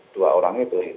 dua orangnya itu